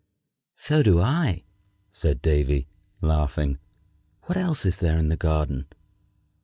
"So do I," said Davy, laughing. "What else is there in the garden?"